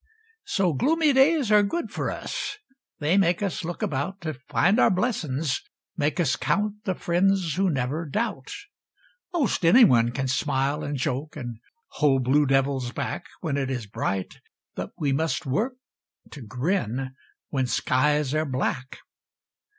So gloomy days air good fer us, They make us look about To find our blessin's make us count The friends who never doubt, Most any one kin smile and joke And hold blue devils back When it is bright, but we must work T' grin When skies air black!